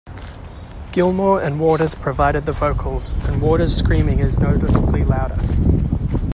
Gilmour and Waters provided the vocals, and Waters' screaming is noticeably louder.